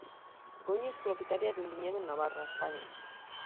Goñi es propietaria de un viñedo en Navarra, España.